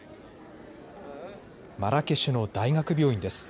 マラケシュの大学病院です。